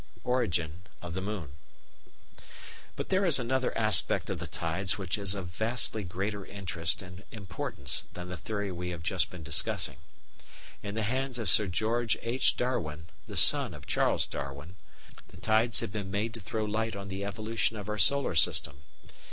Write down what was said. § 17 Origin of the Moon But there is another aspect of the tides which is of vastly greater interest and importance than the theory we have just been discussing. In the hands of Sir George H. Darwin, the son of Charles Darwin, the tides had been made to throw light on the evolution of our solar system.